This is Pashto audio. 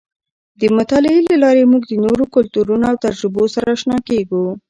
د مطالعې له لارې موږ د نورو کلتورونو او تجربو سره اشنا کېږو.